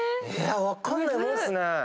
分かんないもんですね。